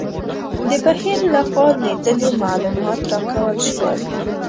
د بهیر لخوا لیدلي معلومات راکول شول.